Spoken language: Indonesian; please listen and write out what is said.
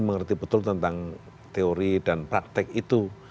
mengerti betul tentang teori dan praktek itu